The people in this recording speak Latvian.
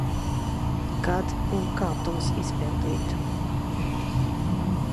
Kad un kā tos izpildīt.